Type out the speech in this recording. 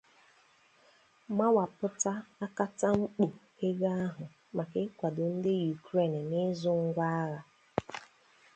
mawapụta akatamkpo ego ahụ maka ịkwado ndị Yukren n'ịzụ ngwa agha.